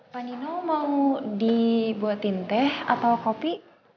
pak nino mau dibuatin teh atau kopi